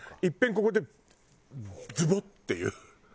いっぺんここでズボッていう。